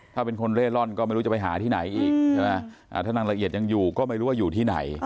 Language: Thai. ถ้าเป็นคนเล่ร่อนก็ไม่รู้จะไปหาที่ไหนอีกใช่ไหมถ้านางละเอียดยังอยู่ก็ไม่รู้ว่าอยู่ที่ไหน